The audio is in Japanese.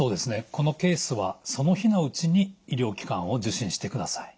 このケースはその日のうちに医療機関を受診してください。